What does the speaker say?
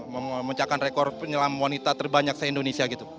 mencakan rekor penyelam wanita terbanyak di indonesia gitu